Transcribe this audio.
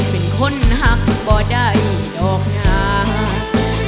เป็นคนหักบ่ได้ดอกงาน